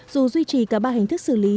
dù duy trì cả ba hình thức xử lý